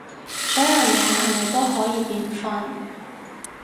所有嘢係咪都可以變返